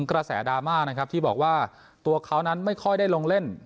กระแสดราม่านะครับที่บอกว่าตัวเขานั้นไม่ค่อยได้ลงเล่น